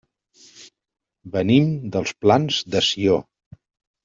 Venim dels Plans de Sió.